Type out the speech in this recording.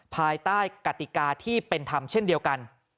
ภายใต้กติกาที่เป็นธรรมเช่นเดียวกัน